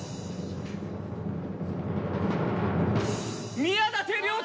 宮舘涼太！